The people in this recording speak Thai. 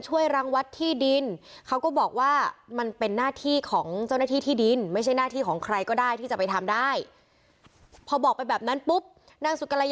ช่วยรังวัดที่ดิน